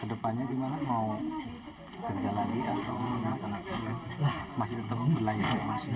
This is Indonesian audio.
kedepannya gimana mau kerja lagi atau masih tetap berlayar